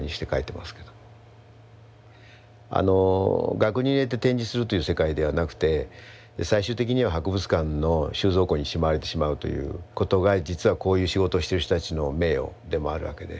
額に入れて展示するという世界ではなくて最終的には博物館の収蔵庫にしまわれてしまうということが実はこういう仕事をしてる人たちの名誉でもあるわけで。